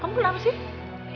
kamu kenapa sih